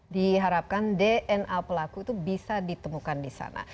diharapkan dna pelaku itu bisa ditemukan di sana